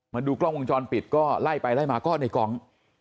มาดูกล้องวงจรปิดก็ไล่ไปไล่มาก็ในกอง